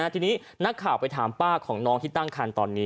ทีนี้นักข่าวไปถามป้าของน้องที่ตั้งคันตอนนี้